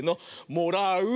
「もらう」！